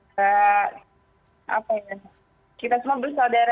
di sana juga mungkin orang orangnya warga warga di sana benar benar mendukung kita juga